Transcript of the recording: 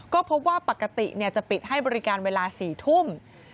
ก็พบว่าปกติจะปิดให้บริการเวลา๔ทุ่ม